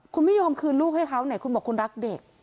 คุณไม่ยอมคืนลูกให้เขาไหนคุณบอกคุณรักเด็ก